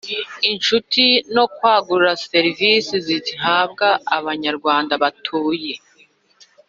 Inshuti no kwagura serivisi zihabwa abanyarwanda batuye